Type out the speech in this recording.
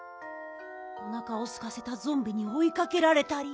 おなかをすかせたゾンビにおいかけられたり。